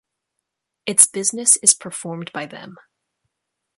Its business is performed by them.